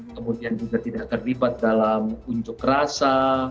kemudian juga tidak terlibat dalam unjuk rasa